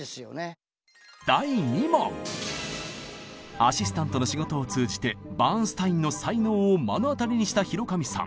アシスタントの仕事を通じてバーンスタインの才能を目の当たりにした広上さん。